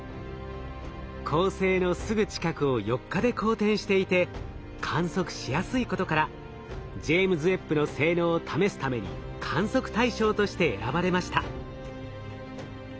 恒星のすぐ近くを４日で公転していて観測しやすいことからジェイムズ・ウェッブの性能を試すために観測対象として選ばれました。